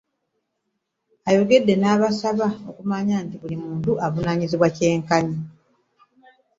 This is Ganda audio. Ayongedde n'abasaba okumanya nti buli muntu avunaanyizibwa kyenkanyi